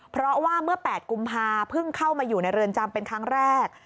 เพราะว่าเมื่อ๘กุมภาเพิ่งเข้ามาอยู่ในเรือนจำเป็นครั้งแรก